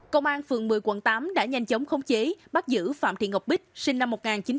công an phường một mươi quận tám đã nhanh chóng khống chế bắt giữ phạm thị ngọc bích sinh năm một nghìn chín trăm tám mươi